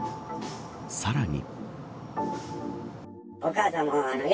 さらに。